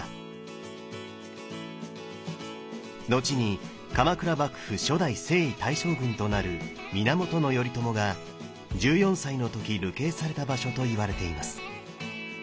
後に鎌倉幕府初代征夷大将軍となる源頼朝が１４歳の時流刑された場所といわれています。